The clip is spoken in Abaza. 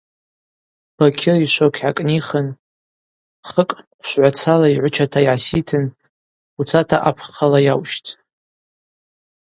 Бакьыр йшвокь гӏакӏнихтӏ, хыкӏ хъвшвгӏвацала йгӏвычата йгӏаситын: Уцата апххъала йаущт.